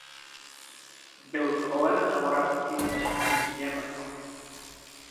Byl zvolen na Moravský zemský sněm.